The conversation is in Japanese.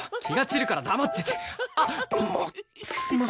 気が散るから黙ってて！